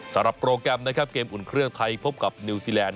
โปรแกรมนะครับเกมอุ่นเครื่องไทยพบกับนิวซีแลนด